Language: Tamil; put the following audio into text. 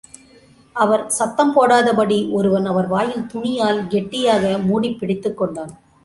அவர் சத்தம் போடாதபடி ஒருவன் அவர் வாயில் துணியால் கெட்டியாக மூடிப் பிடித்துக்கொண்டான்.